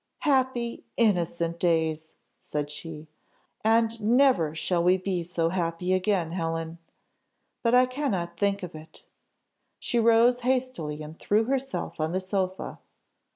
"Happy, innocent days," said she; "I never shall we be so happy again, Helen! But I cannot think of it;" she rose hastily, and threw herself on the sofa.